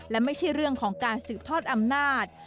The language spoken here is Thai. และไม่ใช่เรื่องของการสืบทอดอำนาจ